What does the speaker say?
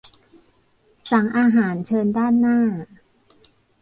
สั่งอาหารเชิญด้านหน้า